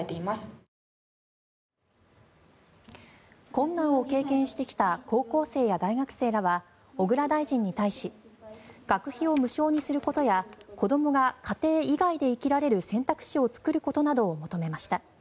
困難を経験してきた高校生や大学生らは小倉大臣に対し学費を無償にすることや子どもが家庭以外で生きられる選択肢を作ることなどを求めました。